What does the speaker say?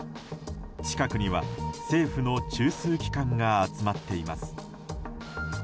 近くには、政府の中枢機関が集まっています。